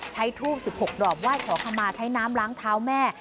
ใช้ทูปสิบหกรอบไหว้ขอคำมาใช้น้ำล้างเท้าแม่